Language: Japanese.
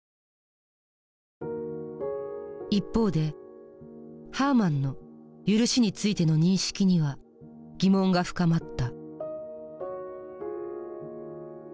一方でハーマンの赦しについての認識には疑問が深まった。